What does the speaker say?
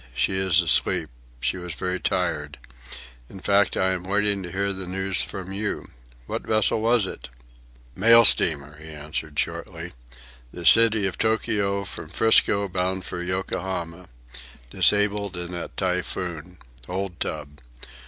"She is asleep. She was very tired. In fact, I am waiting to hear the news from you. What vessel was it?" "Mail steamer," he answered shortly. "The City of Tokio, from 'Frisco, bound for Yokohama. Disabled in that typhoon. Old tub.